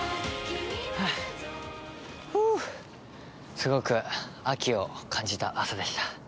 すごく秋を感じた朝でした。